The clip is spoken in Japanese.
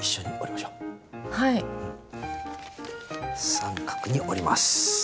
三角に折ります。